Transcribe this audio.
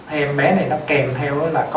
hay em bé thì nó kèm theo đó là có